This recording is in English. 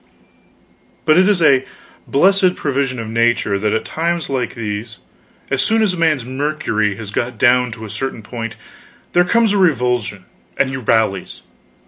But it is a blessed provision of nature that at times like these, as soon as a man's mercury has got down to a certain point there comes a revulsion, and he rallies.